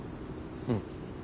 うん。